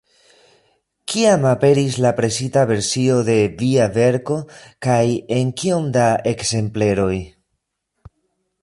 Kiam aperis la presita versio de via verko, kaj en kiom da ekzempleroj?